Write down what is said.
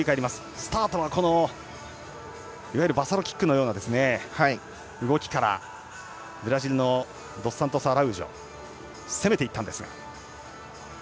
スタートはいわゆるバサロキックのような動きからブラジルのドスサントスアラウージョ攻めていったんですが。